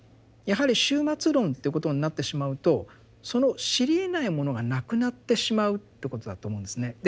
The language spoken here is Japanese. やはり終末論っていうことになってしまうとその知りえないものがなくなってしまうということだと思うんですね。